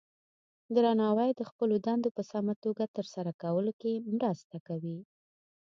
درناوی د خپلو دندو په سمه توګه ترسره کولو کې مرسته کوي.